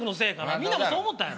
みんなもそう思ったやろ？